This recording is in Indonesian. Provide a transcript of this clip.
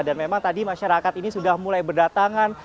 dan memang tadi masyarakat ini sudah mulai berdatangan